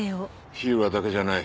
火浦だけじゃない。